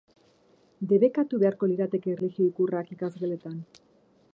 Debekatu beharko lirateke erlijio ikurrak ikasgeletan?